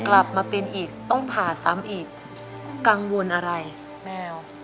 กลับมาเป็นอีกต้องผ่าซ้ำอีกกังวลอะไรแมว